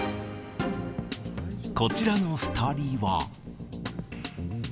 こちらの２人は。